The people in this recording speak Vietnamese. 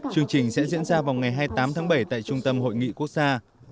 chương trình sẽ diễn ra vào ngày hai mươi tám tháng bảy tại trung tâm hội nghị quốc gia